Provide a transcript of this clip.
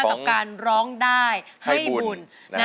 กับการร้องได้ให้บุญ